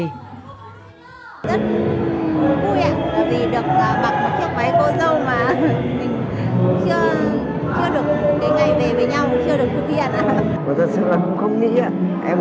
rất vui vì được mặc một chiếc váy cô dâu mà mình chưa được cái ngày về với nhau chưa được phụ kiện